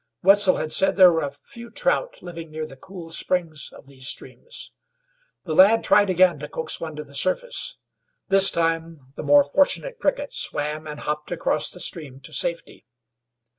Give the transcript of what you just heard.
Wetzel had said there were a few trout living near the cool springs of these streams. The lad tried again to coax one to the surface. This time the more fortunate cricket swam and hopped across the stream to safety.